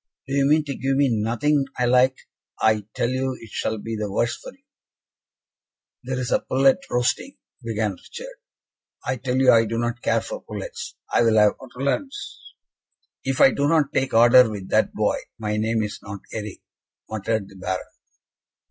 "Do you mean to give me nothing I like? I tell you it shall be the worse for you." "There is a pullet roasting," began Richard. "I tell you, I do not care for pullets I will have ortolans." "If I do not take order with that boy, my name is not Eric," muttered the Baron.